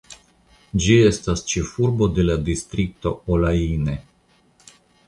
Ĝi estas ĉefurbo de distrikto Olaine.